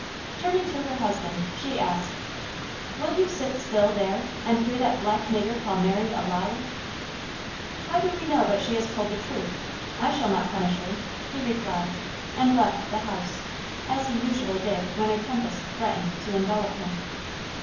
Turning to her husband, she asked, "Will you sit still, there, and hear that black nigger call Mary a liar?" "How do we know but she has told the truth? I shall not punish her," he replied, and left the house, as he usually did when a tempest threatened to envelop him.